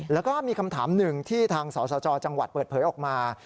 แล้วก็มีคำถามหนึ่งที่ทางสสจจังหวัดเปิดเผยออกมา